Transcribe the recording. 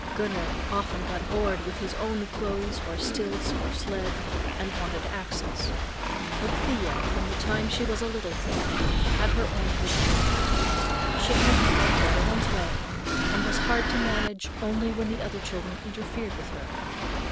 Gunner often got bored with his own clothes or stilts or sled, and wanted Axel's. But Thea, from the time she was a little thing, had her own routine. She kept out of every one's way, and was hard to manage only when the other children interfered with her.